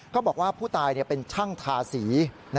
ก็บอกว่าผู้ตายเป็นชั่งธาษี